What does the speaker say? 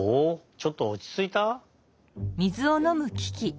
ちょっとはおちついた？